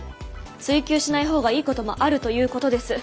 追及しない方がいいこともあるということです。